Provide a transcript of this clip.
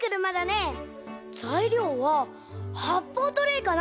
ざいりょうははっぽうトレーかな？